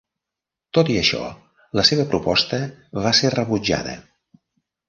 Tot i això, la seva proposta va ser rebutjada.